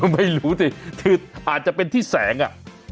ไม่รู้สิคืออาจจะเป็นที่แสงอ่ะ